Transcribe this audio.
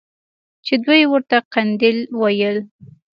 چې دوى ورته قنديل ويل.